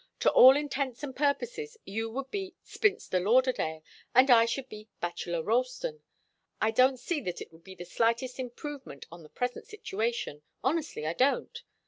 To all intents and purposes you would be Spinster Lauderdale and I should be Bachelor Ralston. I don't see that it would be the slightest improvement on the present situation honestly, I don't.